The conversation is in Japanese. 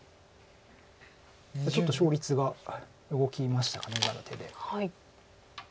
ちょっと勝率が動きましたか今の手で。